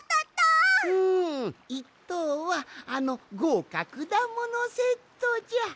うん１とうはあのごうかくだものセットじゃ。